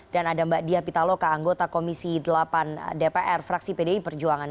dan ada mbak diah pitaloka anggota komisi delapan dpr fraksi pdi perjuangan